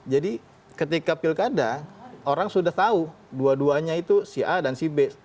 jadi ketika pilkada orang sudah tahu dua duanya itu si a dan si b